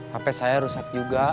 hp saya rusak juga